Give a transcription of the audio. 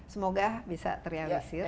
semoga bisa teriak lesir